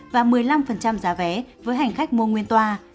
và một mươi năm giá vé với hành khách mua nguyên toa